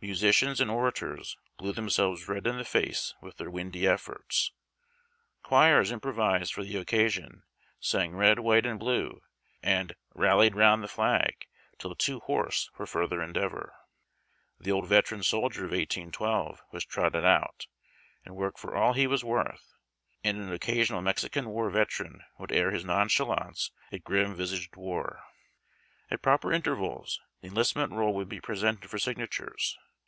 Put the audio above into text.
Musicians and orators blew themselves red in the face with their windy efforts. Choirs improvised for the occasion, sang "Red, White, and Blue " and " Rallied 'Round the Flag " till too hoarse for further endeavor. The old veteran soldier of 1812 was trotted out, and worked for all he was worth, and an occa sional Mexican War veteran would air liis nonchalance at grim visaged war. At proper intervals the enlistment roll would be presented for signatures.